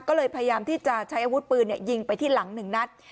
ก็เลยพยายามที่จะใช้อาวุธปืนยิงไปที่หลังหนึ่งนัด